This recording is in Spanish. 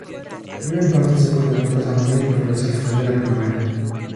Vive en pastos secos de plantas anuales y florece al final de la primavera.